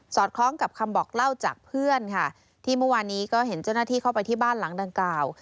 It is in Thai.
คล้องกับคำบอกเล่าจากเพื่อนค่ะที่เมื่อวานนี้ก็เห็นเจ้าหน้าที่เข้าไปที่บ้านหลังดังกล่าว